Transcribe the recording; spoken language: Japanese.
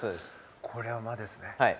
これは魔ですね。